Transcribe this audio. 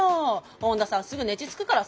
本田さんすぐネチつくからさ。